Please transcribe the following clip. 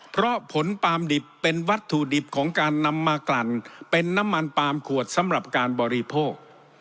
เพราะผลปาล์มดิบเป็นวัตถุดิบของการนำมากลั่นเป็นน้ำมันปาล์มขวดสำหรับการบริโภค